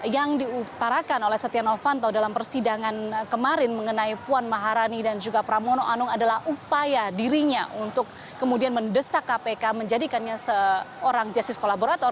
yang diutarakan oleh setia novanto dalam persidangan kemarin mengenai puan maharani dan juga pramono anung adalah upaya dirinya untuk kemudian mendesak kpk menjadikannya seorang justice kolaborator